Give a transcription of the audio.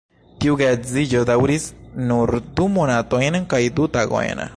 Tiu geedziĝo daŭris nur du monatojn kaj du tagojn.